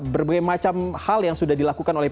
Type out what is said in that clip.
berbagai macam hal yang sudah dilakukan oleh